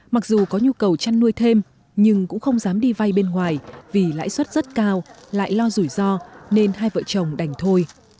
mặc dù có nhu cầu chăn nuôi thêm nhưng cũng không dám đi vay bên ngoài vì lãi suất rất cao lại lo rủi ro nên hai vợ chồng đành thôi